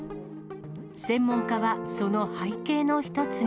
専門家は、その背景の一つに。